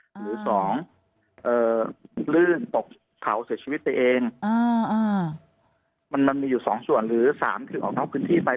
หรือสองลื่นตกเขาเสียชีวิตไปเองมันมีอยู่สองส่วนหรือสามคือออกนอกพื้นที่ไป